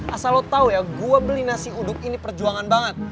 asal lo tau ya gue beli nasi uduk ini perjuangan banget